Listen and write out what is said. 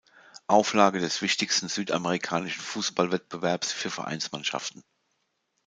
Auflage des wichtigsten südamerikanischen Fußballwettbewerbs für Vereinsmannschaften.